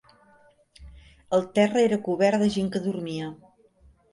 El terra era cobert de gent que dormia.